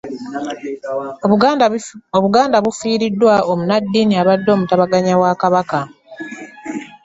Obuganda bufiiriddwa munnaddiini abadde omutabaganya wa Kabaka.